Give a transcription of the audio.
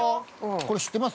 ◆これ知ってます？